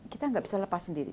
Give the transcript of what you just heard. kita nggak bisa lepas sendiri